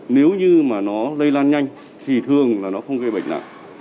nếu như mà nó lây lan nhanh thì thường là nó không gây bệnh nặng